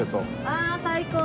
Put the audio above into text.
ああ最高！